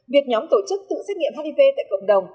việc nhóm tổ chức tự xét nghiệm hiv tại cộng đồng